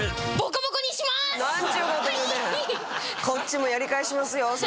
こっちもやり返しますよ。